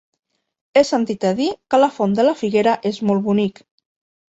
He sentit a dir que la Font de la Figuera és molt bonic.